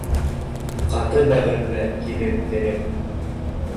Ҡаты бәғерле килептереп